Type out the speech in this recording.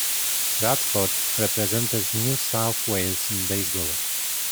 Radford represented New South Wales in baseball.